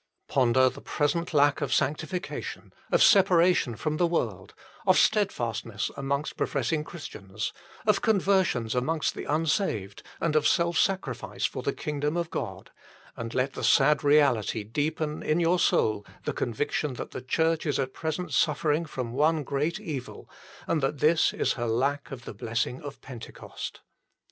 Ponder the present lack of sanctification, of separation from the world, of steadfastness amongst professing Christians, of conversions amongst the unsaved, and of self sacrifice for the kingdom of God, and let the sad reality deepen in your soul the conviction that the Church is at present suffering from one great evil, and that this is her lack of the blessing of Pentecost.